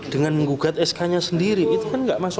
dengan mengugat sk nya sendiri itu kan enggak masuk